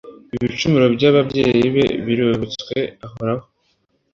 Ibicumuro by’ababyeyi be biributswe Uhoraho